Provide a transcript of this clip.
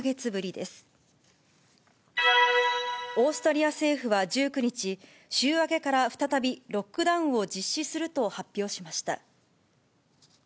オーストリア政府は１９日、週明けから再びロックダウンを実施すると発表しました。